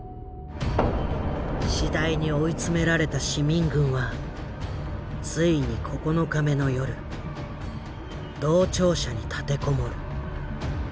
次第に追い詰められた市民軍はついに９日目の夜道庁舎に立て籠もる。